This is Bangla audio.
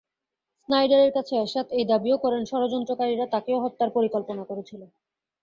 স্নাইডারের কাছে এরশাদ এই দাবিও করেন, ষড়যন্ত্রকারীরা তাঁকেও হত্যার পরিকল্পনা করেছিল।